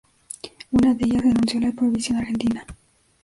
Una de ellas denunció la prohibición argentina.